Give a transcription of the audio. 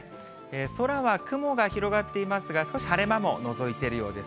空は雲が広がっていますが、少し晴れ間ものぞいてるようです。